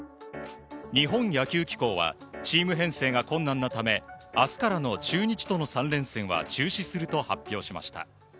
日本野球機構はチーム編成が困難なため明日からの中日との３連戦は中止すると発表しました。